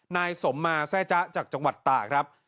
นายสมมาแซ่จ๊ะจากจังหวัดตากครับ